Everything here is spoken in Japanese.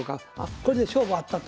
これで勝負あったと。